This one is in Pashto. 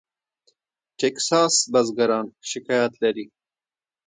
ټیکساس بزګران شکایت لري.